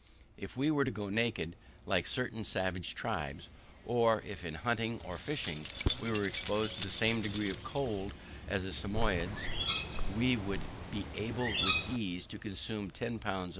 If we were to go naked, like certain savage tribes, or if in hunting or fishing we were exposed to the same degree of cold as the Samoyedes, we should be able with ease to consume 10 lbs.